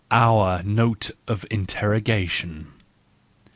Our Note of Interrogation